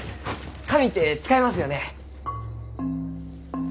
紙って使いますよね。